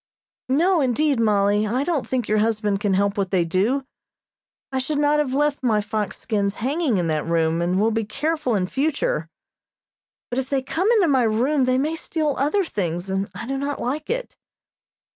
"No, indeed, Mollie, I don't think your husband can help what they do. I should not have left my fox skins hanging in that room, and will be careful in future, but if they come into my room they may steal other things, and I do not like it."